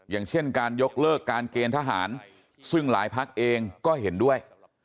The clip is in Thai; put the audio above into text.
อย่างเช่นการยกเลิกการเกณฑ์ทหารซึ่งหลายพักเองก็เห็นด้วย